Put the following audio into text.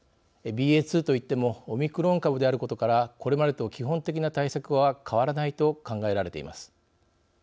ＢＡ．２といってもオミクロン株であることからこれまでと基本的な対策は変わらないと考えられています。